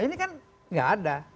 ini kan tidak ada